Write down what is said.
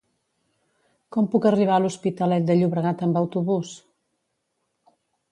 Com puc arribar a l'Hospitalet de Llobregat amb autobús?